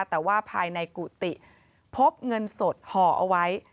แต่ว่าภายในกุฏิพบเงินสดห่อเอาไว้